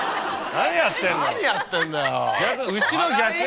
何やってんだよ。